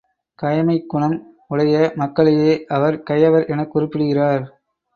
கயமைக் குணம் உடைய மக்களையே அவர் கயவர் எனக் குறிப்பிடுகிறார்.